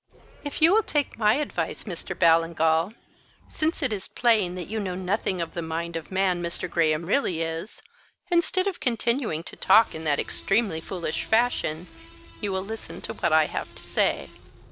"If you will take my advice, Mr. Ballingall, since it is plain that you know nothing of the mind of man Mr. Graham really is, instead of continuing to talk in that extremely foolish fashion you will listen to what I have to say.